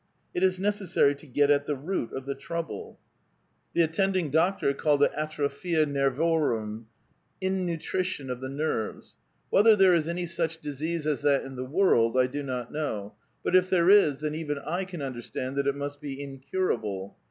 It is necessary to get at the root of the trouble. The 402 A VITAL QUESTION. attending doctor called it atropJiia nervorum — innutrition of the nerves. Whether there is any such disease as that in the world I do not know ; but if there is, then even I can under stand that it must be incurable.